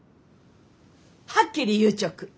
はっきり言うちょく！